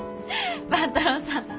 万太郎さん